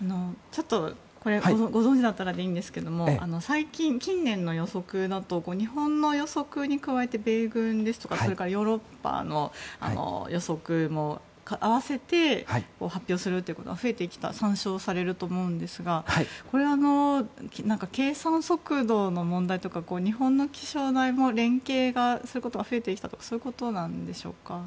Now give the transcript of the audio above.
これ、ご存じだったらでいいんですが最近、近年の予測だと日本の予測に加えて米軍ですとかヨーロッパの予測も合わせて発表することが増えてきたと思うんですがこれは、計算速度の問題とか日本の気象台も連携することが増えてきたということでしょうか？